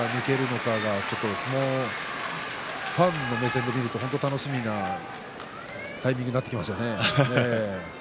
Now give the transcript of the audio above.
本当に誰が抜けるのかがファンの目線で見ると本当に楽しみなタイミングになってきましたね。